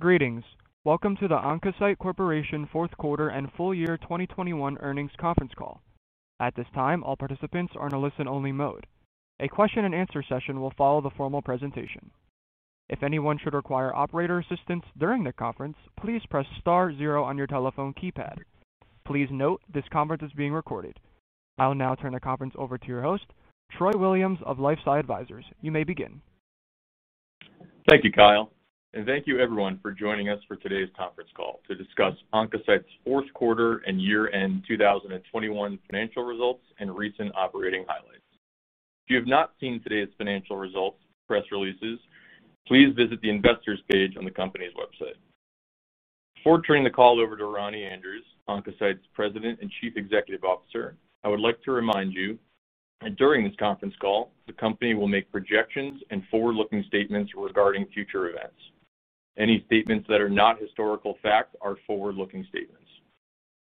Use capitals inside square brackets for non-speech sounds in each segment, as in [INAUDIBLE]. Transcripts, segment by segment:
Greetings. Welcome to the Oncocyte Corporation Q4 and Full Year 2021 Earnings Conference Call. At this time, all participants are in a listen-only mode. A question-and-answer session will follow the formal presentation. If anyone should require operator assistance during the conference, please press star zero on your telephone keypad. Please note, this conference is being recorded. I'll now turn the conference over to your host, Troy Williams of LifeSci Advisors. You may begin. Thank you, Kyle. Thank you everyone for joining us for today's conference call to discuss Oncocyte's Q4 and year-end 2021 financial results and recent operating highlights. If you have not seen today's financial results press releases, please visit the Investors page on the company's website. Before turning the call over to Ronnie Andrews, Oncocyte's President and Chief Executive Officer, I would like to remind you that during this conference call, the company will make projections and forward-looking statements regarding future events. Any statements that are not historical facts are forward-looking statements.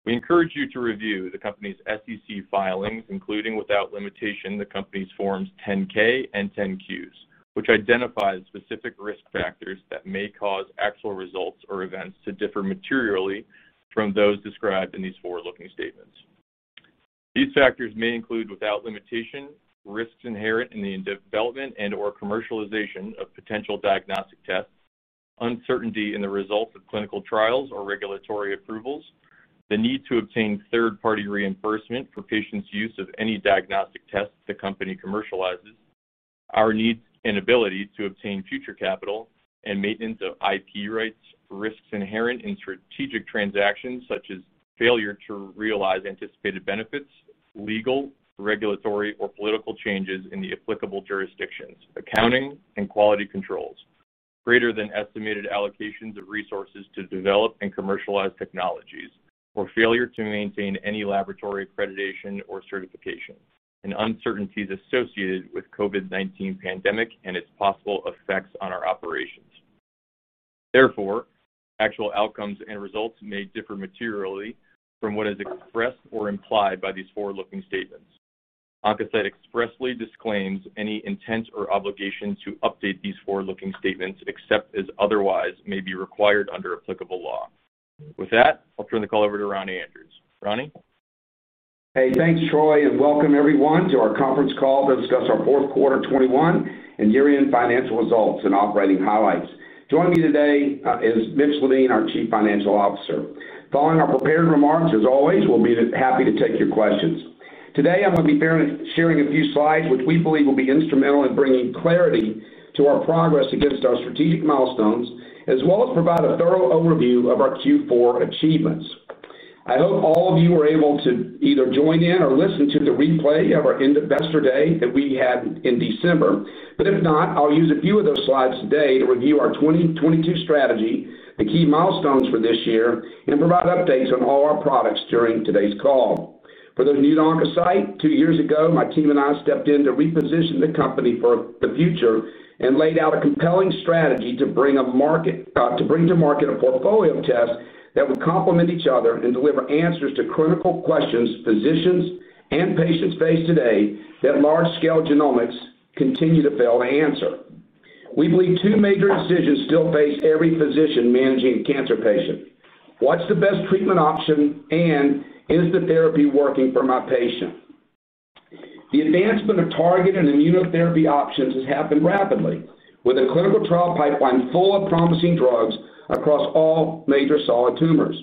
We encourage you to review the company's SEC filings, including without limitation, the company's forms 10-K and 10-Qs, which identifies specific risk factors that may cause actual results or events to differ materially from those described in these forward-looking statements. These factors may include, without limitation, risks inherent in the development and/or commercialization of potential diagnostic tests, uncertainty in the results of clinical trials or regulatory approvals, the need to obtain third-party reimbursement for patients' use of any diagnostic test the company commercializes, our needs and ability to obtain future capital and maintenance of IP rights, risks inherent in strategic transactions, such as failure to realize anticipated benefits, legal, regulatory, or political changes in the applicable jurisdictions, accounting and quality controls, greater than estimated allocations of resources to develop and commercialize technologies, or failure to maintain any laboratory accreditation or certification, and uncertainties associated with COVID-19 pandemic and its possible effects on our operations. Therefore, actual outcomes and results may differ materially from what is expressed or implied by these forward-looking statements. Oncocyte expressly disclaims any intent or obligation to update these forward-looking statements except as otherwise may be required under applicable law. With that, I'll turn the call over to Ronnie Andrews. Ronnie? Hey, thanks, Troy, and welcome everyone to our conference call to discuss our Q4 2021 and year-end financial results and operating highlights. Joining me today is Mitch Levine, our Chief Financial Officer. Following our prepared remarks, as always, we'll be happy to take your questions. Today, I'm gonna be fair in sharing a few slides which we believe will be instrumental in bringing clarity to our progress against our strategic milestones, as well as provide a thorough overview of our Q4 achievements. I hope all of you were able to either join in or listen to the replay of our Investor Day that we had in December. If not, I'll use a few of those slides today to review our 2022 strategy, the key milestones for this year, and provide updates on all our products during today's call. For those new to Oncocyte, two years ago, my team and I stepped in to reposition the company for the future and laid out a compelling strategy to bring to market a portfolio of tests that would complement each other and deliver answers to critical questions physicians and patients face today that large-scale genomics continue to fail to answer. We believe two major decisions still face every physician managing a cancer patient. What's the best treatment option, and is the therapy working for my patient? The advancement of targeted immunotherapy options has happened rapidly, with a clinical trial pipeline full of promising drugs across all major solid tumors.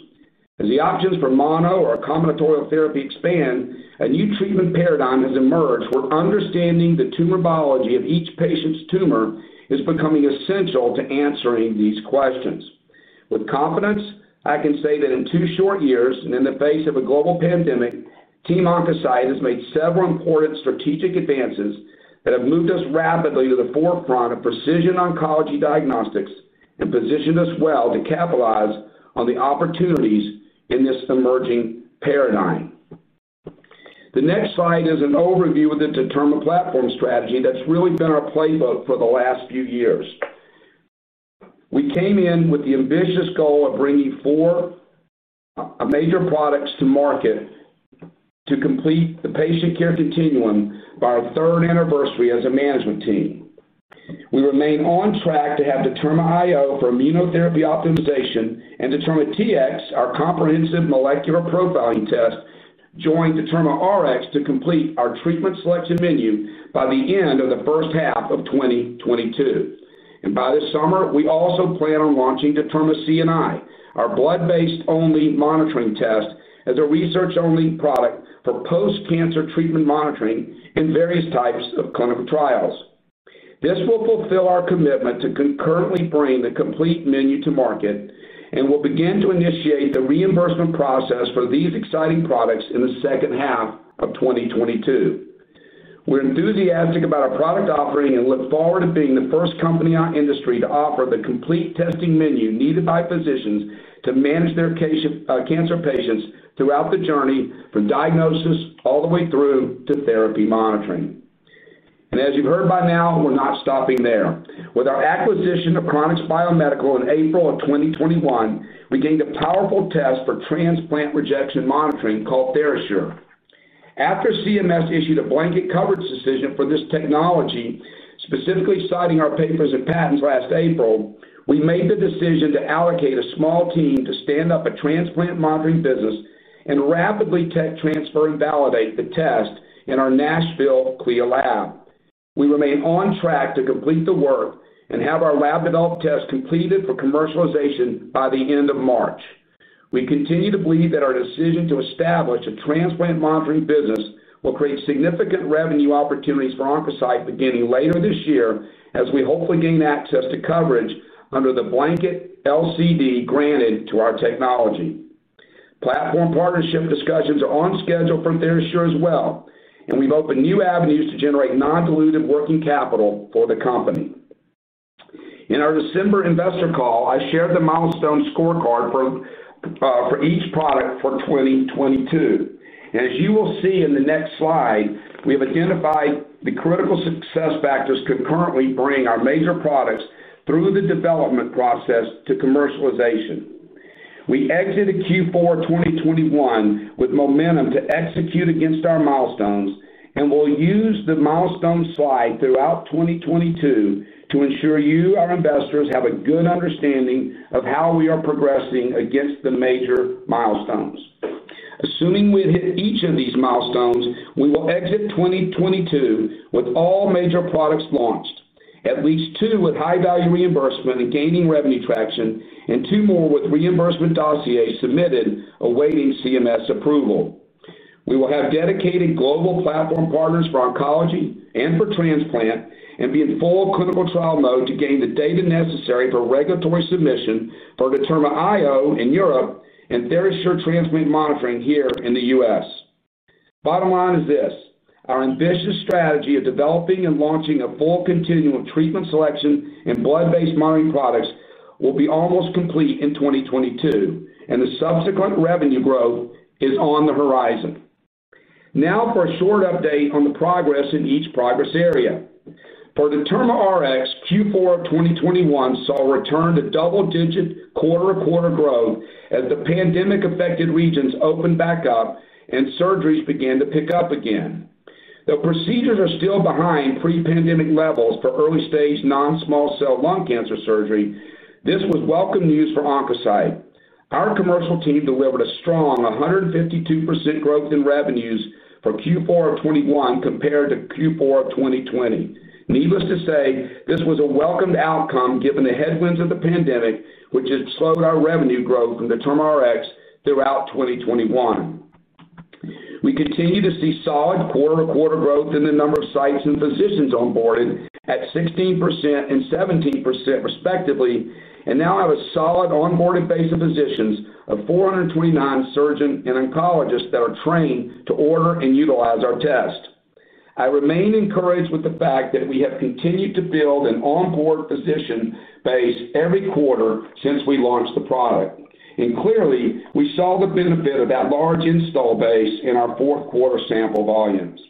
As the options for mono or combinatorial therapy expand, a new treatment paradigm has emerged where understanding the tumor biology of each patient's tumor is becoming essential to answering these questions. With confidence, I can say that in two short years, and in the face of a global pandemic, Team Oncocyte has made several important strategic advances that have moved us rapidly to the forefront of precision oncology diagnostics and positioned us well to capitalize on the opportunities in this emerging paradigm. The next slide is an overview of the Determa platform strategy that's really been our playbook for the last few years. We came in with the ambitious goal of bringing four major products to market to complete the patient care continuum by our third anniversary as a management team. We remain on track to have DetermaIO for immunotherapy optimization and DetermaTx, our comprehensive molecular profiling test, join DetermaRx to complete our treatment selection menu by the end of the first half of 2022. By this summer, we also plan on launching DetermaCNI, our blood-based-only monitoring test, as a research-only product for post-cancer treatment monitoring in various types of clinical trials. This will fulfill our commitment to concurrently bring the complete menu to market and will begin to initiate the reimbursement process for these exciting products in the second half of 2022. We're enthusiastic about our product offering and look forward to being the first company in our industry to offer the complete testing menu needed by physicians to manage their patient cancer patients throughout the journey from diagnosis all the way through to therapy monitoring. As you've heard by now, we're not stopping there. With our acquisition of Chronix Biomedical in April 2021, we gained a powerful test for transplant rejection monitoring called TheraSure. After CMS issued a blanket coverage decision for this technology, specifically citing our papers and patents last April, we made the decision to allocate a small team to stand up a transplant monitoring business and rapidly tech transfer and validate the test in our Nashville CLIA lab. We remain on track to complete the work and have our lab developed test completed for commercialization by the end of March. We continue to believe that our decision to establish a transplant monitoring business will create significant revenue opportunities for Oncocyte beginning later this year as we hopefully gain access to coverage under the blanket LCD granted to our technology. Platform partnership discussions are on schedule from TheraSure as well, and we've opened new avenues to generate non-dilutive working capital for the company. In our December investor call, I shared the milestone scorecard for each product for 2022. As you will see in the next slide, we have identified the critical success factors to concurrently bring our major products through the development process to commercialization. We exited Q4 2021 with momentum to execute against our milestones, and we'll use the milestone slide throughout 2022 to ensure you, our investors, have a good understanding of how we are progressing against the major milestones. Assuming we hit each of these milestones, we will exit 2022 with all major products launched, at least two with high-value reimbursement and gaining revenue traction, and two more with reimbursement dossiers submitted awaiting CMS approval. We will have dedicated global platform partners for oncology and for transplant and be in full clinical trial mode to gain the data necessary for regulatory submission for DetermaIO in Europe and TheraSure transplant monitoring here in the US. Bottom line is this, our ambitious strategy of developing and launching a full continuum of treatment selection and blood-based monitoring products will be almost complete in 2022, and the subsequent revenue growth is on the horizon. Now for a short update on the progress in each progress area. For DetermaRx, Q4 of 2021 saw a return to double-digit quarter-over-quarter growth as the pandemic-affected regions opened back up and surgeries began to pick up again. The procedures are still behind pre-pandemic levels for early-stage non-small cell lung cancer surgery. This was welcome news for Oncocyte. Our commercial team delivered a strong 152% growth in revenues for Q4 of 2021 compared to Q4 of 2020. Needless to say, this was a welcomed outcome given the headwinds of the pandemic, which had slowed our revenue growth in DetermaRx throughout 2021. We continue to see solid quarter-over-quarter growth in the number of sites and physicians onboarded at 16% and 17% respectively, and now have a solid onboarded base of physicians of 429 surgeons and oncologists that are trained to order and utilize our test. I remain encouraged with the fact that we have continued to build an onboard physician base every quarter since we launched the product. Clearly, we saw the benefit of that large install base in our Q4 sample volumes.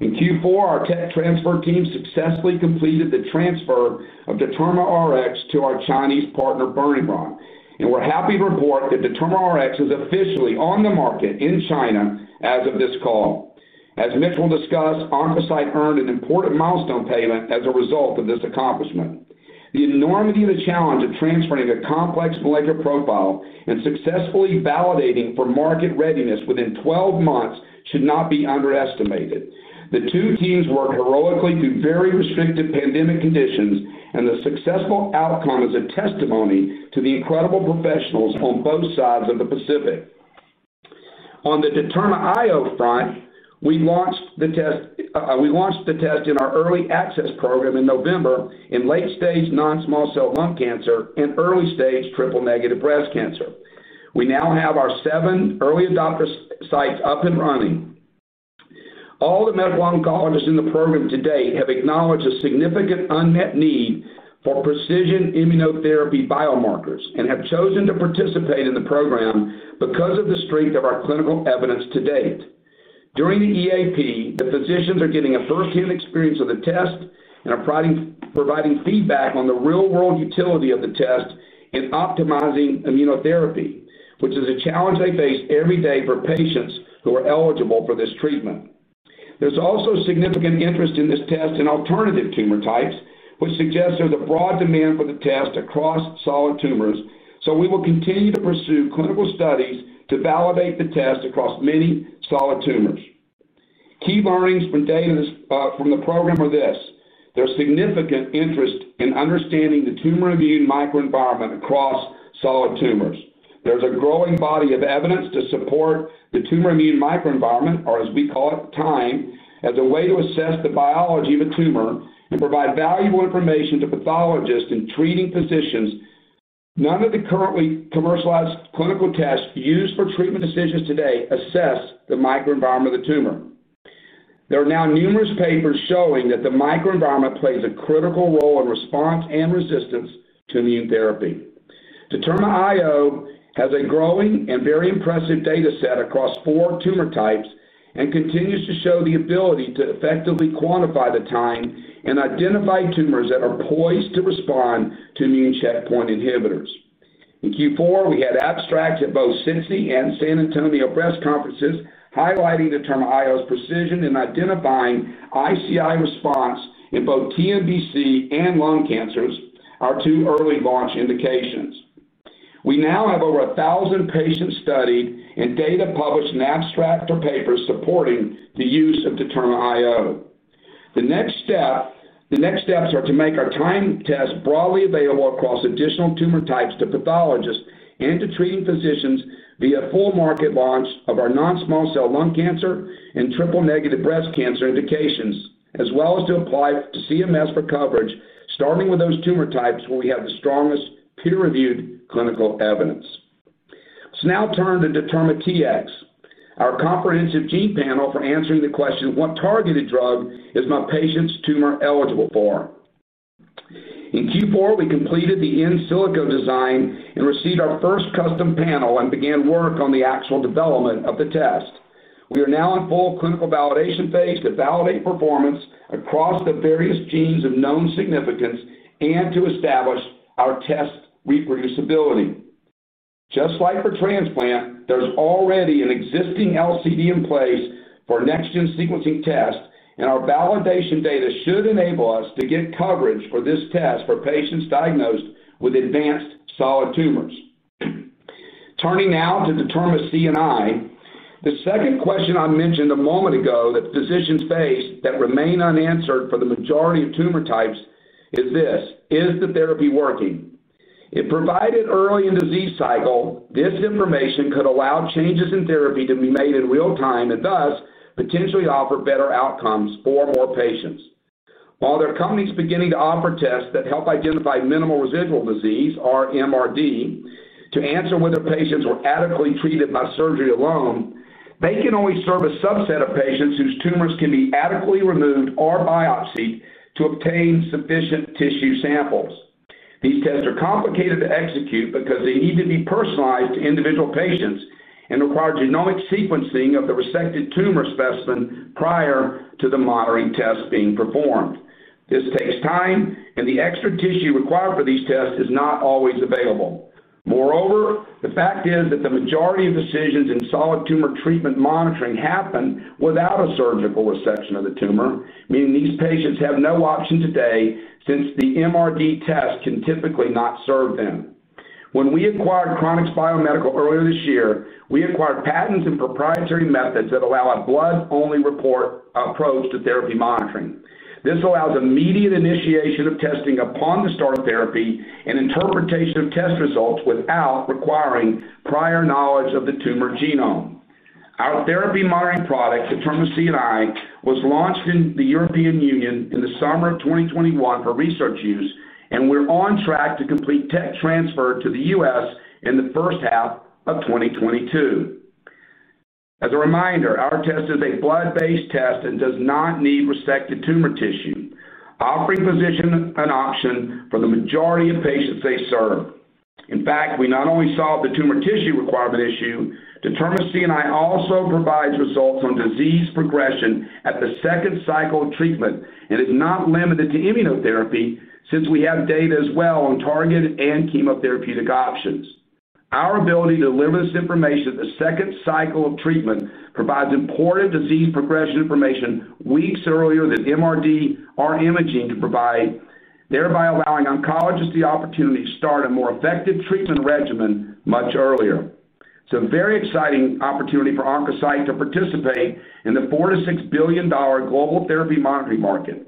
In Q4, our tech transfer team successfully completed the transfer of DetermaRx to our Chinese partner, Burning Rock, and we're happy to report that DetermaRx is officially on the market in China as of this call. As Mitch will discuss, Oncocyte earned an important milestone payment as a result of this accomplishment. The enormity of the challenge of transferring a complex molecular profile and successfully validating for market readiness within 12 months should not be underestimated. The two teams worked heroically through very restrictive pandemic conditions, and the successful outcome is a testimony to the incredible professionals on both sides of the Pacific. On the DetermaIO front, we launched the test in our early access program in November in late-stage non-small cell lung cancer and early-stage triple-negative breast cancer. We now have our seven early adopter sites up and running. All the medical oncologists in the program to date have acknowledged a significant unmet need for precision immunotherapy biomarkers and have chosen to participate in the program because of the strength of our clinical evidence to date. During the EAP, the physicians are getting a first-hand experience of the test and are providing feedback on the real-world utility of the test in optimizing immunotherapy, which is a challenge they face every day for patients who are eligible for this treatment. There's also significant interest in this test in alternative tumor types, which suggests there's a broad demand for the test across solid tumors. We will continue to pursue clinical studies to validate the test across many solid tumors. Key learnings from data, from the program are this. There's significant interest in understanding the tumor immune microenvironment across solid tumors. There's a growing body of evidence to support the tumor immune microenvironment, or as we call it, TIME, as a way to assess the biology of a tumor and provide valuable information to pathologists and treating physicians. None of the currently commercialized clinical tests used for treatment decisions today assess the microenvironment of the tumor. There are now numerous papers showing that the microenvironment plays a critical role in response and resistance to immune therapy. DetermaIO has a growing and very impressive data set across four tumor types and continues to show the ability to effectively quantify the TIME and identify tumors that are poised to respond to immune checkpoint inhibitors. In Q4, we had abstracts at both SITC and San Antonio Breast conferences highlighting the DetermaIO's precision in identifying ICI response in both TNBC and lung cancers, our two early launch indications. We now have over 1,000 patients studied and data published in abstract or papers supporting the use of DetermaIO. The next steps are to make our DetermaIO test broadly available across additional tumor types to pathologists and to treating physicians via full market launch of our non-small cell lung cancer and triple-negative breast cancer indications, as well as to apply to CMS for coverage, starting with those tumor types where we have the strongest peer-reviewed clinical evidence. Let's now turn to DetermaTx, our comprehensive gene panel for answering the question, what targeted drug is my patient's tumor eligible for? In Q4, we completed the in silico design and received our first custom panel and began work on the actual development of the test. We are now in full clinical validation phase to validate performance across the various genes of known significance and to establish our test reproducibility. Just like for transplant, there's already an existing LCD in place for next-gen sequencing tests, and our validation data should enable us to get coverage for this test for patients diagnosed with advanced solid tumors. Turning now to DetermaCNI, the second question I mentioned a moment ago that physicians face that remain unanswered for the majority of tumor types is this. Is the therapy working? If provided early in disease cycle, this information could allow changes in therapy to be made in real time and thus potentially offer better outcomes for more patients. While there are companies beginning to offer tests that help identify minimal residual disease, or MRD, to answer whether patients were adequately treated by surgery alone, they can only serve a subset of patients whose tumors can be adequately removed or biopsied to obtain sufficient tissue samples. These tests are complicated to execute because they need to be personalized to individual patients and require genomic sequencing of the resected tumor specimen prior to the monitoring test being performed. This takes time, and the extra tissue required for these tests is not always available. Moreover, the fact is that the majority of decisions in solid tumor treatment monitoring happen without a surgical resection of the tumor, meaning these patients have no option today since the MRD test can typically not serve them. When we acquired Chronix Biomedical earlier this year, we acquired patents and proprietary methods that allow a blood-only report approach to therapy monitoring. This allows immediate initiation of testing upon the start of therapy and interpretation of test results without requiring prior knowledge of the tumor genome. Our therapy monitoring product, DetermaCNI, was launched in the European Union in the summer of 2021 for research use, and we're on track to complete tech transfer to the U.S. in the first half of 2022. As a reminder, our test is a blood-based test and does not need resected tumor tissue, offering physicians an option for the majority of patients they serve. In fact, we not only solve the tumor tissue requirement issue, DetermaCNI also provides results on disease progression at the second cycle of treatment and is not limited to immunotherapy since we have data as well on targeted and chemotherapeutic options. Our ability to deliver this information at the second cycle of treatment provides important disease progression information weeks earlier than MRD or imaging can provide, thereby allowing oncologists the opportunity to start a more effective treatment regimen much earlier. It's a very exciting opportunity for Oncocyte to participate in the $4 billion-$6 billion global therapy monitoring market.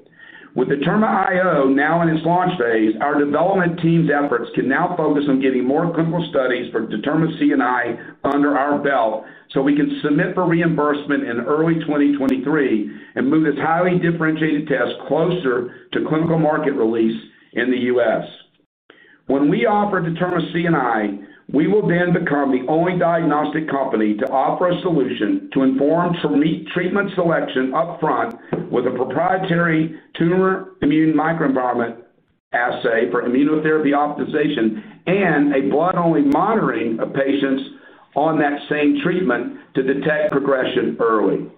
With DetermaIO now in its launch phase, our development team's efforts can now focus on getting more clinical studies for DetermaCNI under our belt, so we can submit for reimbursement in early 2023 and move this highly differentiated test closer to clinical market release in the U.S. When we offer DetermaCNI, we will then become the only diagnostic company to offer a solution to inform treatment selection up front with a proprietary tumor immune microenvironment assay for immunotherapy optimization and a blood-only monitoring of patients on that same treatment to detect progression early.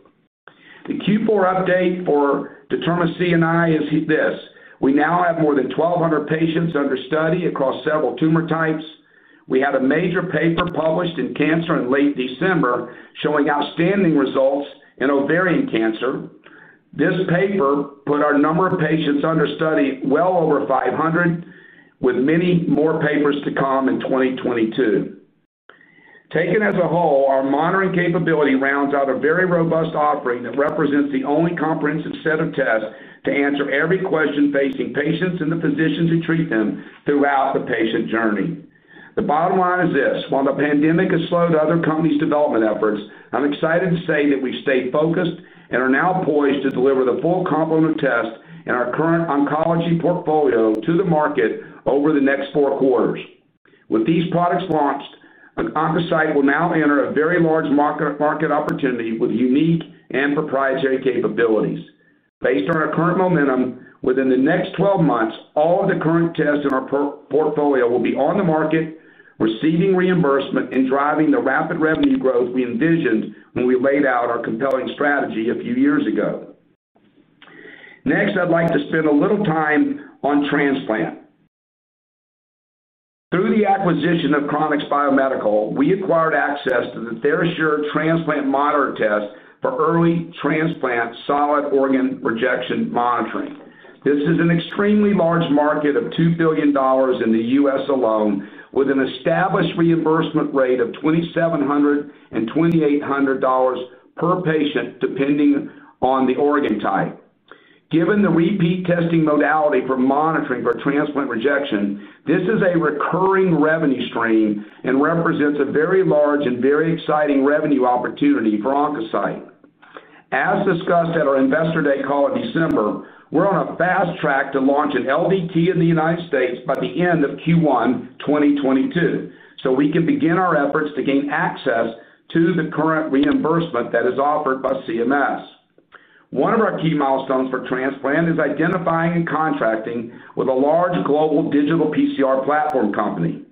The Q4 update for DetermaCNI is this. We now have more than 1,200 patients under study across several tumor types. We had a major paper published in Cancer in late December showing outstanding results in ovarian cancer. This paper put our number of patients under study well over 500, with many more papers to come in 2022. Taken as a whole, our monitoring capability rounds out a very robust offering that represents the only comprehensive set of tests to answer every question facing patients and the physicians who treat them throughout the patient journey. The bottom line is this. While the pandemic has slowed other companies' development efforts, I'm excited to say that we've stayed focused and are now poised to deliver the full complement test in our current oncology portfolio to the market over the next four quarters. With these products launched, Oncocyte will now enter a very large market opportunity with unique and proprietary capabilities. Based on our current momentum, within the next 12 months, all of the current tests in our portfolio will be on the market, receiving reimbursement, and driving the rapid revenue growth we envisioned when we laid out our compelling strategy a few years ago. Next, I'd like to spend a little time on transplant. Through the acquisition of Chronix Biomedical, we acquired access to the TheraSure transplant monitor test for early transplant solid organ rejection monitoring. This is an extremely large market of $2 billion in the U.S. alone, with an established reimbursement rate of $2,700 and $2,800 per patient, depending on the organ type. Given the repeat testing modality for monitoring for transplant rejection, this is a recurring revenue stream and represents a very large and very exciting revenue opportunity for Oncocyte. As discussed at our Investor Day call in December, we're on a fast track to launch an LDT in the United States by the end of Q1 2022, so we can begin our efforts to gain access to the current reimbursement that is offered by CMS. One of our key milestones for transplant is identifying and contracting with a large global digital PCR platform company.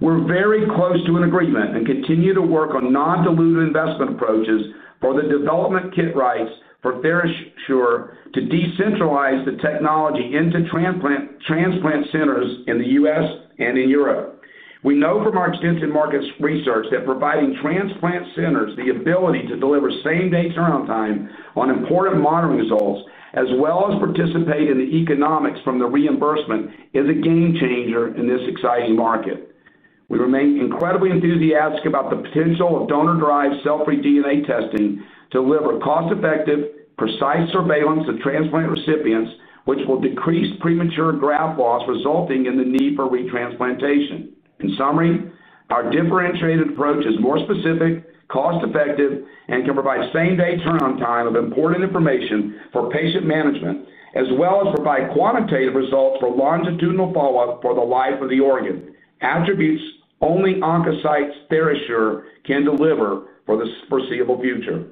We're very close to an agreement and continue to work on non-dilutive investment approaches for the development kit rights for TheraSure to decentralize the technology into transplant centers in the U.S. and in Europe. We know from our extensive market research that providing transplant centers the ability to deliver same-day turnaround time on important monitoring results, as well as participate in the economics from the reimbursement, is a game changer in this exciting market. We remain incredibly enthusiastic about the potential of donor-derived cell-free DNA testing to deliver cost-effective, precise surveillance of transplant recipients, which will decrease premature graft loss resulting in the need for retransplantation. In summary, our differentiated approach is more specific, cost-effective, and can provide same-day turnaround time of important information for patient management, as well as provide quantitative results for longitudinal follow-up for the life of the organ. Attributes only Oncocyte's TheraSure can deliver for the foreseeable future.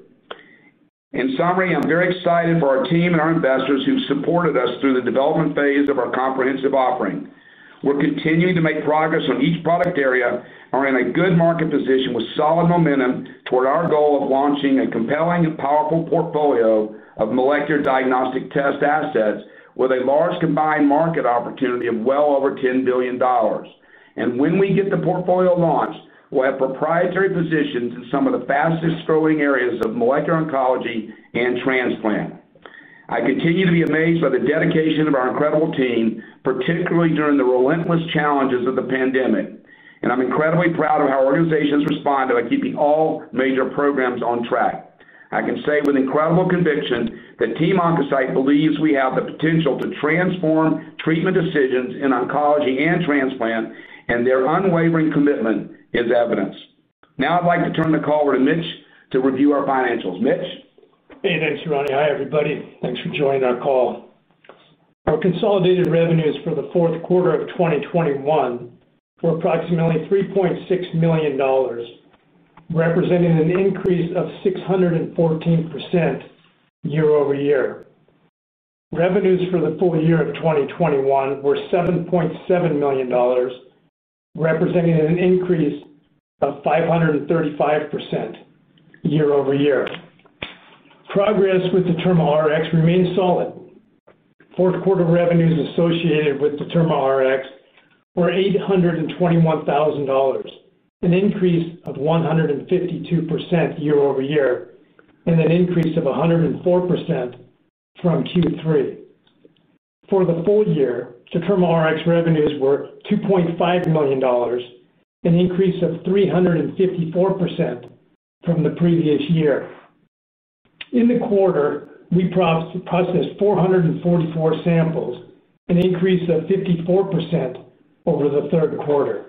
In summary, I'm very excited for our team and our investors who've supported us through the development phase of our comprehensive offering. We're continuing to make progress on each product area, are in a good market position with solid momentum toward our goal of launching a compelling and powerful portfolio of molecular diagnostic test assets with a large combined market opportunity of well over $10 billion. When we get the portfolio launched, we'll have proprietary positions in some of the fastest-growing areas of molecular oncology and transplant. I continue to be amazed by the dedication of our incredible team, particularly during the relentless challenges of the pandemic. I'm incredibly proud of how our organization's responded by keeping all major programs on track. I can say with incredible conviction that Team Oncocyte believes we have the potential to transform treatment decisions in oncology and transplant, and their unwavering commitment is evidence. Now, I'd like to turn the call over to Mitch to review our financials. Mitch? Hey, thanks, Ronnie. Hi, everybody. Thanks for joining our call. Our consolidated revenues for the Q4 of 2021 were approximately $3.6 million, representing an increase of 614% year-over-year. Revenues for the full year of 2021 were $7.7 million, representing an increase of 535% year-over-year. Progress with DetermaRx remains solid. Q4 revenues associated with DetermaRx were $821,000, an increase of 152% year-over-year, and an increase of 104% from Q3. For the full year, DetermaRx revenues were $2.5 million, an increase of 354% from the previous year. In the quarter, we processed 444 samples, an increase of 54% over the Q3.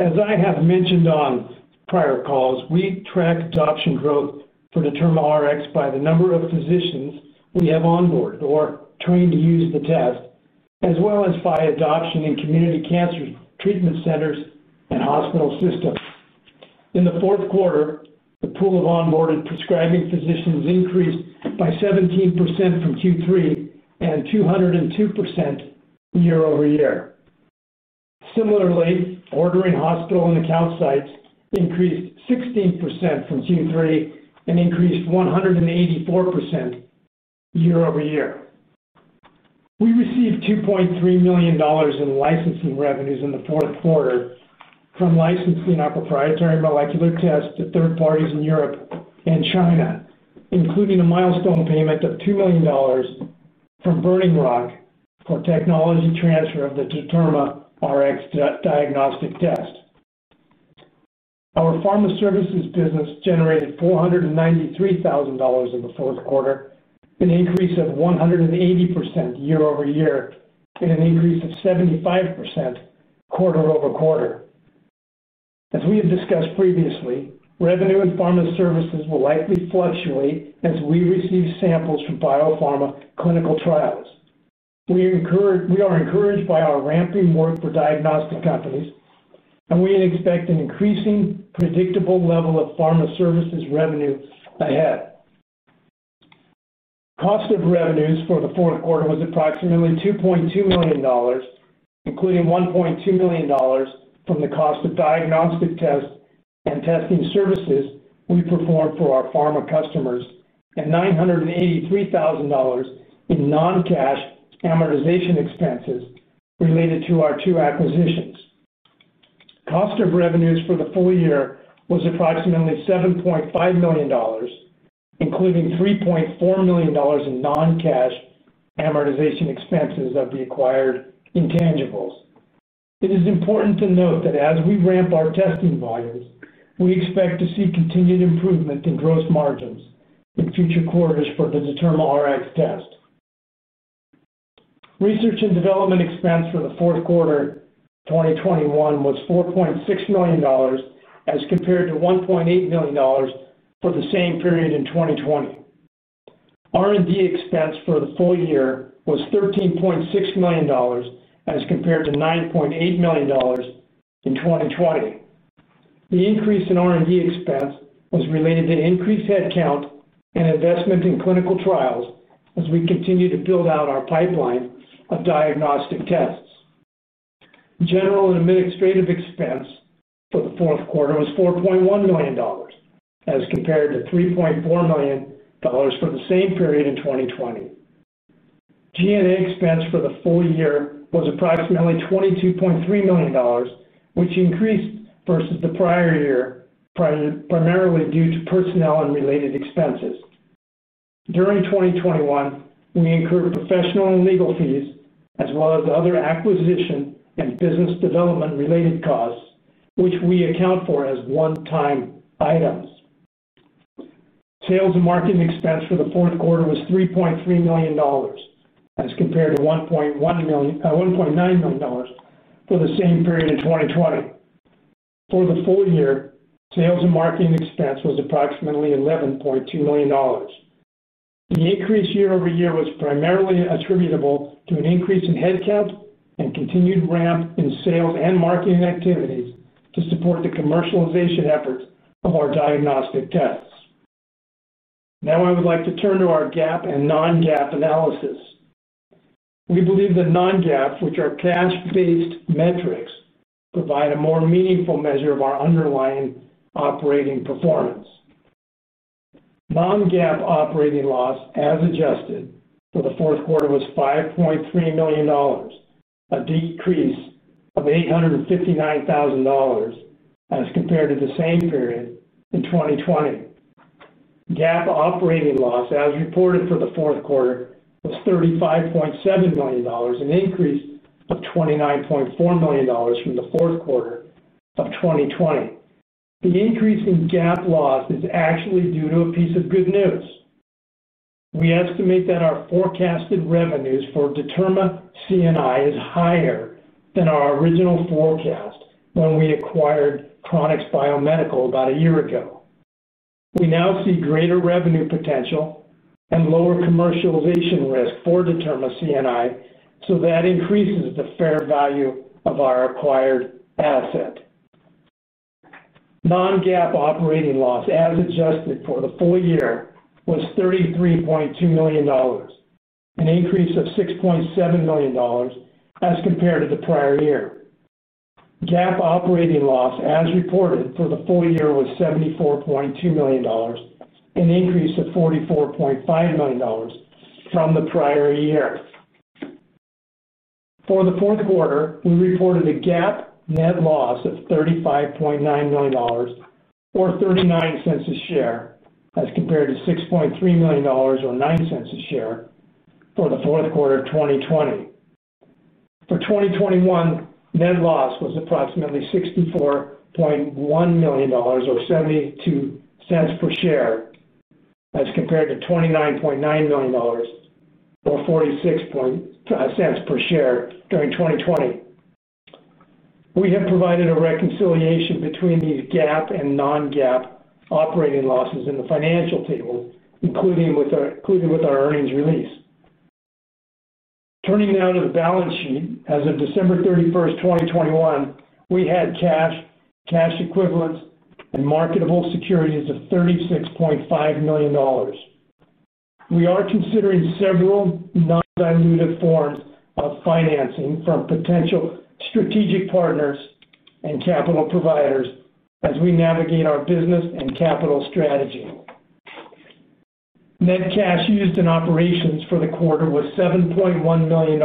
As I have mentioned on prior calls, we track adoption growth for DetermaRx by the number of physicians we have onboard or trained to use the test, as well as by adoption in community cancer treatment centers and hospital systems. In the Q4, the pool of onboarded prescribing physicians increased by 17% from Q3 and 202% year-over-year. Similarly, ordering hospital and account sites increased 16% from Q3 and increased 184% year-over-year. We received $2.3 million in licensing revenues in the Q4 from licensing our proprietary molecular test to third parties in Europe and China, including a milestone payment of $2 million from Burning Rock for technology transfer of the DetermaRx diagnostic test. Our pharma services business generated $493,000 in the Q4, an increase of 180% year-over-year, and an increase of 75% quarter-over-quarter. As we have discussed previously, revenue in pharma services will likely fluctuate as we receive samples from biopharma clinical trials. We are encouraged by our ramping work for diagnostic companies, and we expect an increasing predictable level of pharma services revenue ahead. Cost of revenues for the Q4 was approximately $2.2 million, including $1.2 million from the cost of diagnostic tests and testing services we perform for our pharma customers and $983,000 in non-cash amortization expenses related to our two acquisitions. Cost of revenues for the full year was approximately $7.5 million, including $3.4 million in non-cash amortization expenses of the acquired intangibles. It is important to note that as we ramp our testing volumes, we expect to see continued improvement in gross margins in future quarters for the DetermaRx test. Research and development expense for the Q4 2021 was $4.6 million as compared to $1.8 million for the same period in 2020. R&D expense for the full year was $13.6 million as compared to $9.8 million in 2020. The increase in R&D expense was related to increased headcount and investment in clinical trials as we continue to build out our pipeline of diagnostic tests. General and administrative expense for the Q4 was $4.1 million as compared to $3.4 million for the same period in 2020. G&A expense for the full year was approximately $22.3 million, which increased versus the prior year, primarily due to personnel and related expenses. During 2021, we incurred professional and legal fees as well as other acquisition and business development-related costs, which we account for as one-time items. Sales and marketing expense for the Q4 was $3.3 million as compared to $1.9 million for the same period in 2020. For the full year, sales and marketing expense was approximately $11.2 million. The increase year-over-year was primarily attributable to an increase in headcount and continued ramp in sales and marketing activities to support the commercialization efforts of our diagnostic tests. Now I would like to turn to our GAAP and non-GAAP analysis. We believe that non-GAAP, which are cash-based metrics, provide a more meaningful measure of our underlying operating performance. Non-GAAP operating loss, as adjusted, for the Q4 was $5.3 million, a decrease of $859,000 as compared to the same period in 2020. GAAP operating loss, as reported for the Q4, was $35.7 million, an increase of $29.4 million from the Q4 of 2020. The increase in GAAP loss is actually due to a piece of good news. We estimate that our forecasted revenues for DetermaCNI is higher than our original forecast when we acquired Chronix Biomedical about a year ago. We now see greater revenue potential and lower commercialization risk for DetermaCNI, so that increases the fair value of our acquired asset. non-GAAP operating loss, as adjusted for the full year, was $33.2 million, an increase of $6.7 million as compared to the prior year. GAAP operating loss, as reported for the full year, was $74.2 million, an increase of $44.5 million from the prior year. For the Q4, we reported a GAAP net loss of $35.9 million or $0.39 a share as compared to $6.3 million or $0.09 a share for the Q4 of 2020. For 2021, net loss was approximately $64.1 million or $0.72 per share as compared to $29.9 million or $0.46 per share during 2020. We have provided a reconciliation between these GAAP and non-GAAP operating losses in the financial tables, including with our earnings release. Turning now to the balance sheet. As of December 31, 2021, we had cash equivalents and marketable securities of $36.5 million. We are considering several non-dilutive forms of financing from potential strategic partners and capital providers as we navigate our business and capital strategy. Net cash used in operations for the quarter was $7.1 million,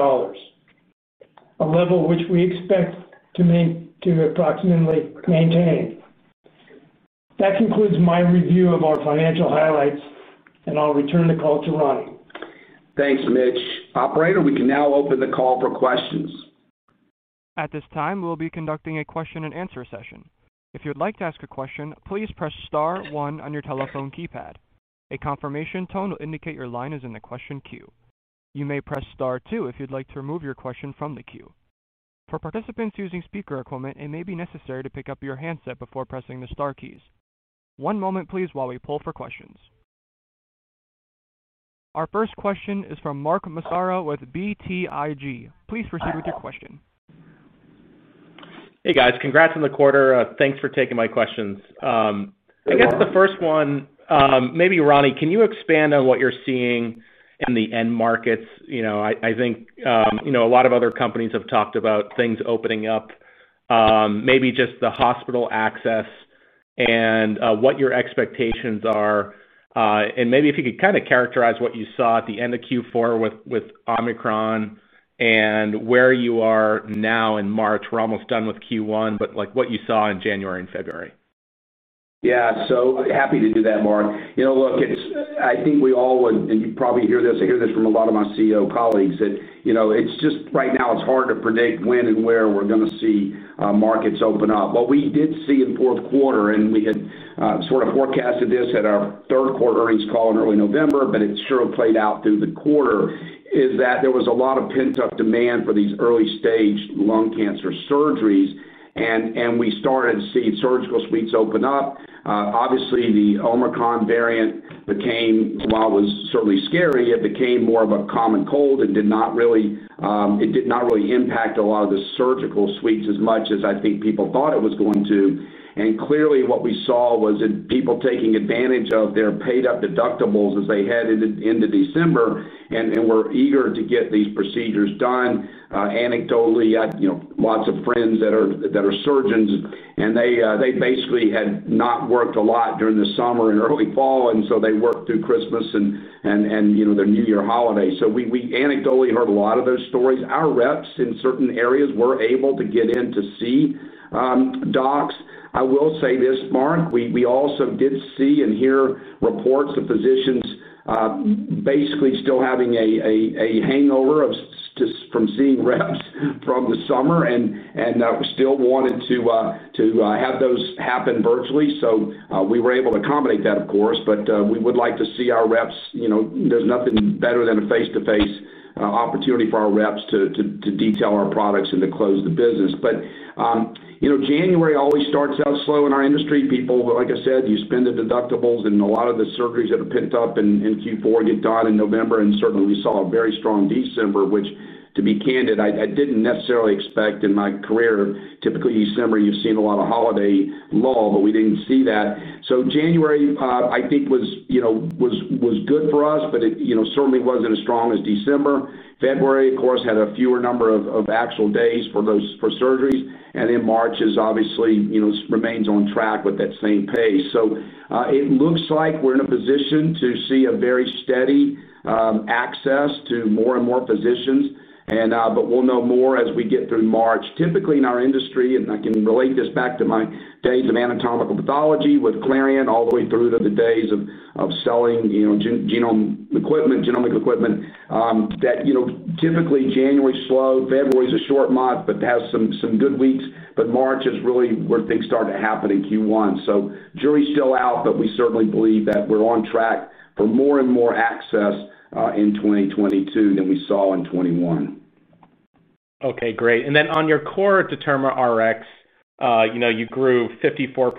a level which we expect to approximately maintain. That concludes my review of our financial highlights, and I'll return the call to Ronnie. Thanks, Mitch. Operator, we can now open the call for questions. At this time, we'll be conducting a question-and answer-session. If you'd like to ask a question, please press star one on your telephone keypad. A confirmation tone will indicate your line is in the question queue. You may press star two if you'd like to remove your question from the queue. For participants using speaker equipment, it may be necessary to pick up your handset before pressing the star keys. One moment please while we pull for questions. Our first question is from Mark Massaro with BTIG. Please proceed with your question. Hey guys, congrats on the quarter. Thanks for taking my questions. I guess the first one, maybe Ronnie, can you expand on what you're seeing in the end markets? You know, I think, you know, a lot of other companies have talked about things opening up. Maybe just the hospital access and what your expectations are. Maybe if you could kinda characterize what you saw at the end of Q4 with Omicron and where you are now in March. We're almost done with Q1, but like, what you saw in January and February. Yeah. Happy to do that, Mark. You know, look, it's I think we all would, and you probably hear this, I hear this from a lot of my CEO colleagues that, you know, it's just, right now it's hard to predict when and where we're gonna see markets open up. What we did see in Q4, and we had sort of forecasted this at our Q3 earnings call in early November, but it sure played out through the quarter, is that there was a lot of pent-up demand for these early-stage lung cancer surgeries and we started to see surgical suites open up. Obviously, the Omicron variant became, while it was certainly scary, it became more of a common cold and did not really. It did not really impact a lot of the surgical suites as much as I think people thought it was going to. Clearly, what we saw was that people taking advantage of their paid up deductibles as they headed into December and were eager to get these procedures done. Anecdotally, I had, you know, lots of friends that are surgeons, and they basically had not worked a lot during the summer and early fall, and so they worked through Christmas and you know, their New Year holiday. We anecdotally heard a lot of those stories. Our reps in certain areas were able to get in to see docs. I will say this, Mark. We also did see and hear reports of physicians basically still having a hangover of sorts just from seeing reps from the summer and still wanted to have those happen virtually. We were able to accommodate that, of course. We would like to see our reps. You know, there's nothing better than a face-to-face opportunity for our reps to detail our products and to close the business. You know, January always starts out slow in our industry. People, like I said, you spend the deductibles and a lot of the surgeries that are pent up in Q4 get done in November, and certainly we saw a very strong December, which, to be candid, I didn't necessarily expect in my career. Typically December, you've seen a lot of holiday lull, but we didn't see that. January, I think was, you know, good for us, but it, you know, certainly wasn't as strong as December. February, of course, had a fewer number of actual days for surgeries, and then March is obviously, you know, remains on track with that same pace. It looks like we're in a position to see a very steady access to more and more physicians, but we'll know more as we get through March. Typically, in our industry, I can relate this back to my days of anatomical pathology with Clarient all the way through to the days of selling, you know, genome equipment, genomic equipment, that, you know, typically January is slow. February's a short month, but has some good weeks. March is really where things start to happen in Q1. Jury's still out, but we certainly believe that we're on track for more and more access in 2022 than we saw in 2021. Okay. Great. Then on your core DetermaRx, you know, you grew 54%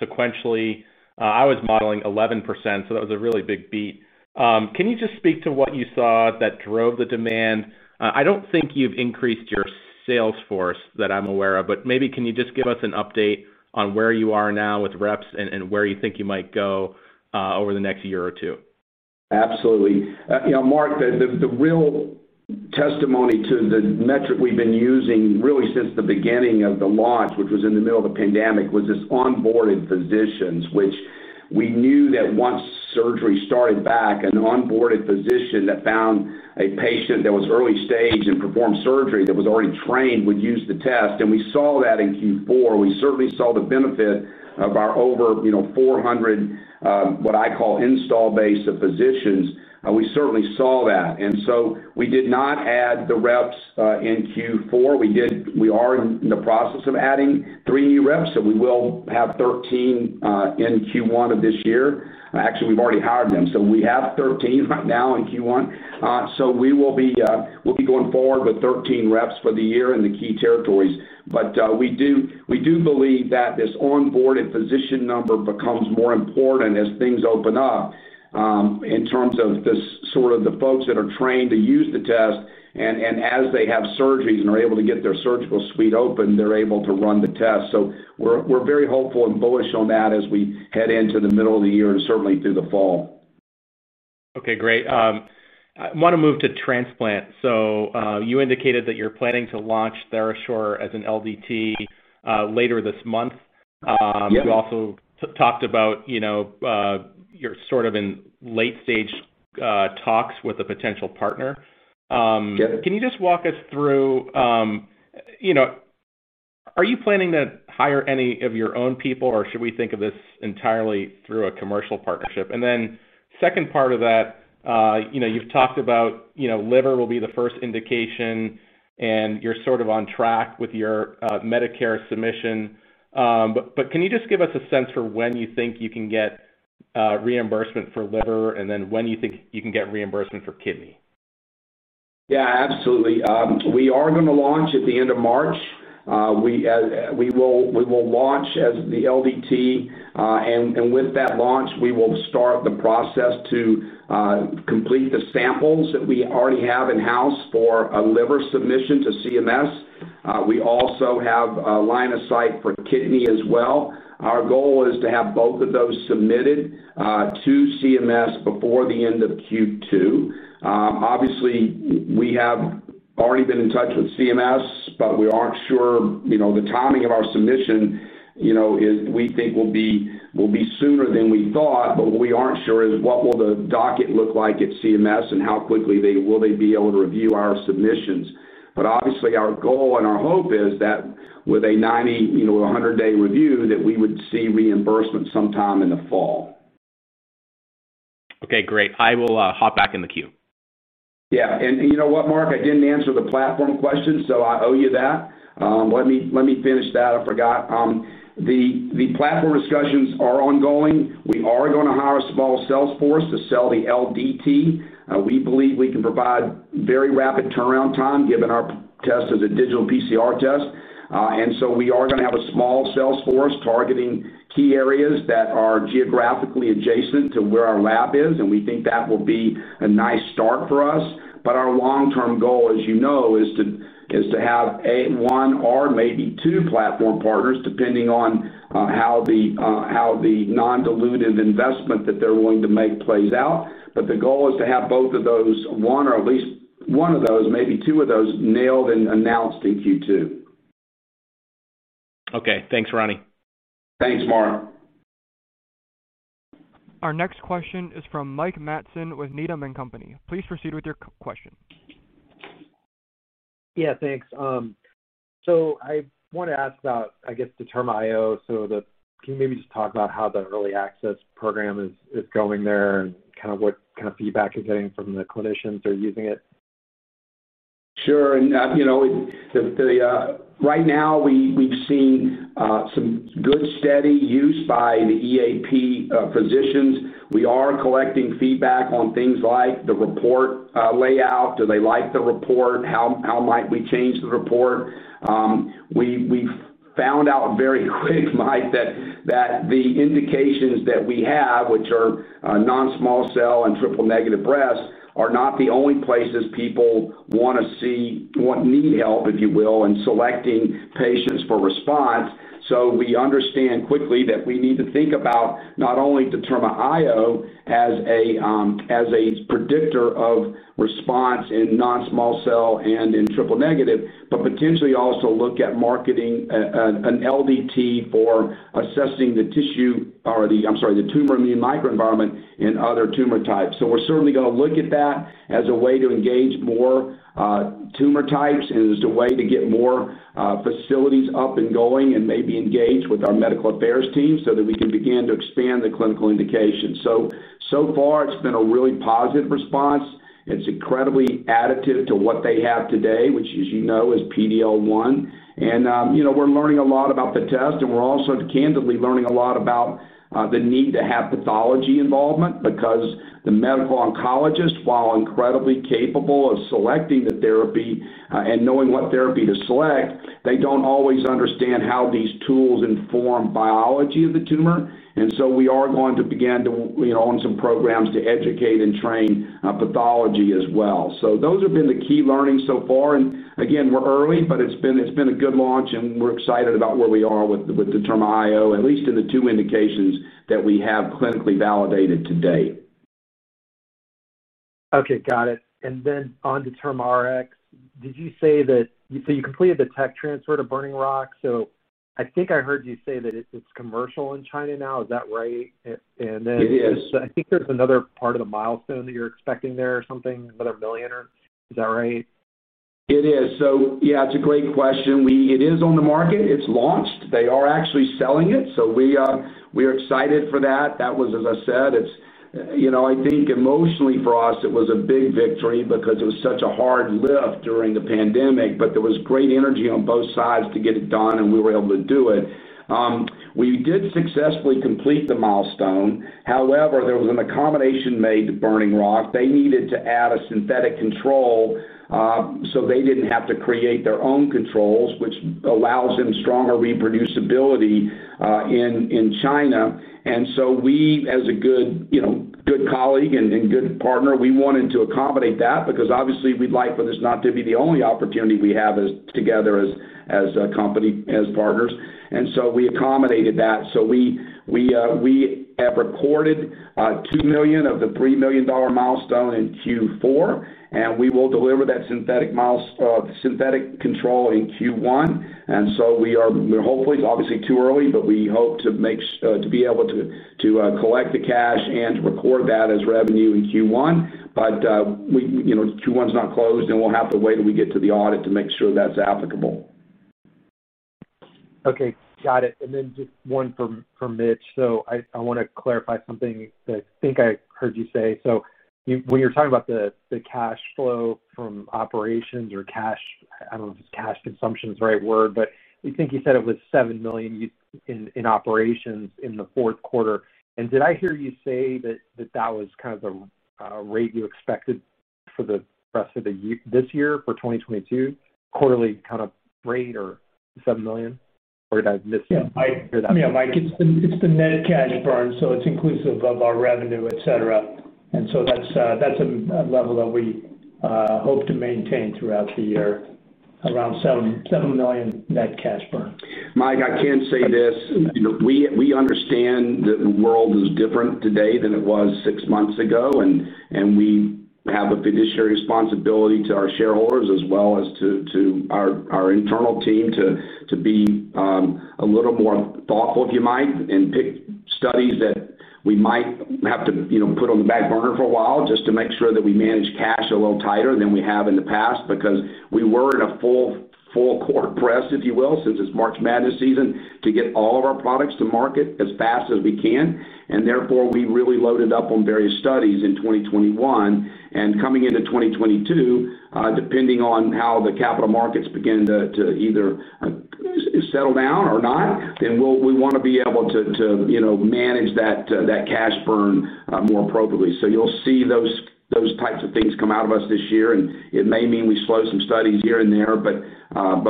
sequentially. I was modeling 11%, so that was a really big beat. Can you just speak to what you saw that drove the demand? I don't think you've increased your sales force, that I'm aware of, but maybe can you just give us an update on where you are now with reps and where you think you might go over the next year or two? Absolutely. You know, Mark, the real testimony to the metric we've been using really since the beginning of the launch, which was in the middle of the pandemic, was this onboarded physicians, which we knew that once surgery started back, an onboarded physician that found a patient that was early stage and performed surgery that was already trained would use the test. We saw that in Q4. We certainly saw the benefit of our over 400, you know, what I call installed base of physicians. We certainly saw that. We did not add the reps in Q4. We are in the process of adding three new reps, so we will have 13 in Q1 of this year. Actually, we've already hired them. So we have 13 right now in Q1. We will be, we'll be going forward with 13 reps for the year in the key territories. We do believe that this onboarded physician number becomes more important as things open up, in terms of the sort of the folks that are trained to use the test. As they have surgeries and are able to get their surgical suite open, they're able to run the test. We're very hopeful and bullish on that as we head into the middle of the year and certainly through the fall. Okay. Great. I wanna move to transplant. You indicated that you're planning to launch TheraSure as an LDT later this month. You also talked about, you know, you're sort of in late stage talks with a potential partner. [CROSSTALK] Can you just walk us through, you know, are you planning to hire any of your own people or should we think of this entirely through a commercial partnership? Second part of that, you know, you've talked about, you know, liver will be the first indication and you're sort of on track with your Medicare submission. But can you just give us a sense for when you think you can get reimbursement for liver and then when you think you can get reimbursement for kidney? Yeah, absolutely. We are gonna launch at the end of March. We will launch as the LDT, and with that launch, we will start the process to complete the samples that we already have in-house for a liver submission to CMS. We also have a line of sight for kidney as well. Our goal is to have both of those submitted to CMS before the end of Q2. Obviously, we have already been in touch with CMS, but we aren't sure, you know, the timing of our submission, you know, we think will be sooner than we thought, but we aren't sure what the docket will look like at CMS and how quickly they will be able to review our submissions. Obviously, our goal and our hope is that with a 90, you know, a 100-day review, that we would see reimbursement sometime in the fall. Okay, great. I will hop back in the queue. Yeah. You know what, Mark? I didn't answer the platform question, so I owe you that. Let me finish that. I forgot. The platform discussions are ongoing. We are gonna hire a small sales force to sell the LDT. We believe we can provide very rapid turnaround time given our test is a digital PCR test. We are gonna have a small sales force targeting key areas that are geographically adjacent to where our lab is, and we think that will be a nice start for us. Our long-term goal, as you know, is to have one or maybe two platform partners, depending on how the non-dilutive investment that they're willing to make plays out. The goal is to have both of those, one or at least one of those, maybe two of those nailed and announced in Q2. Okay, thanks, Ronnie. Thanks, Mark. Our next question is from Mike Matson with Needham & Company. Please proceed with your question. Yeah, thanks. I want to ask about, I guess, DetermaIO. Can you maybe just talk about how the Early Access Program is going there and kind of what kind of feedback you're getting from the clinicians who are using it? Sure. You know, right now, we've seen some good steady use by the EAP physicians. We are collecting feedback on things like the report layout. Do they like the report? How might we change the report? We found out very quick, Mike, that the indications that we have, which are non-small cell and triple-negative breast, are not the only places people want, need help, if you will, in selecting patients for response. We understand quickly that we need to think about not only DetermaIO as a predictor of response in non-small cell and in triple-negative, but potentially also look at marketing an LDT for assessing the tumor immune microenvironment in other tumor types. We're certainly gonna look at that as a way to engage more tumor types and as a way to get more facilities up and going and maybe engaged with our medical affairs team so that we can begin to expand the clinical indication. So far it's been a really positive response. It's incredibly additive to what they have today, which as you know is PD-L1. You know, we're learning a lot about the test, and we're also candidly learning a lot about the need to have pathology involvement because the medical oncologist, while incredibly capable of selecting the therapy and knowing what therapy to select, they don't always understand how these tools inform biology of the tumor. We are going to begin to, you know, on some programs to educate and train pathology as well. Those have been the key learnings so far. Again, we're early, but it's been a good launch, and we're excited about where we are with DetermaIO, at least in the two indications that we have clinically validated to date. Okay, got it. Then on DetermaRx, did you say that you completed the tech transfer to Burning Rock. I think I heard you say that it's commercial in China now. Is that right? And then [CROSSTALK] I think there's another part of the milestone that you're expecting there or something, another million or. Is that right? It is. Yeah, it's a great question. It is on the market. It's launched. They are actually selling it, so we are excited for that. That was, as I said. You know, I think emotionally for us it was a big victory because it was such a hard lift during the pandemic, but there was great energy on both sides to get it done, and we were able to do it. We did successfully complete the milestone. However, there was an accommodation made to Burning Rock. They needed to add a synthetic control, so they didn't have to create their own controls, which allows them stronger reproducibility in China. We as a good colleague and good partner wanted to accommodate that because obviously we'd like for this not to be the only opportunity we have together as a company, as partners. We accommodated that. We have recorded $2 million of the $3 million milestone in Q4, and we will deliver that synthetic control in Q1. We are hopeful. It's obviously too early, but we hope to be able to collect the cash and to record that as revenue in Q1. Q1's not closed, and we'll have to wait 'til we get to the audit to make sure that's applicable. Okay, got it. Then just one from Mitch. I wanna clarify something that I think I heard you say. When you're talking about the cash flow from operations or cash, I don't know if cash consumption's the right word, but I think you said it was $7 million in operations in the Q4. Did I hear you say that that was kind of the rate you expected for the rest of this year, for 2022, quarterly kind of rate or $7 million? Yeah, Mike, it's the net cash burn, so it's inclusive of our revenue, et cetera. That's a level that we hope to maintain throughout the year, around $7 million net cash burn. Mike, I can say this. You know, we understand that the world is different today than it was six months ago, and we have a fiduciary responsibility to our shareholders as well as to our internal team to be a little more thoughtful, if you might, and pick studies that we might have to, you know, put on the back burner for a while just to make sure that we manage cash a little tighter than we have in the past because we were in a full court press, if you will, since it's March Madness season to get all of our products to market as fast as we can. Therefore, we really loaded up on various studies in 2021. Coming into 2022, depending on how the capital markets begin to either settle down or not, then we want to be able to, you know, manage that cash burn more appropriately. You'll see those types of things come out of us this year, and it may mean we slow some studies here and there.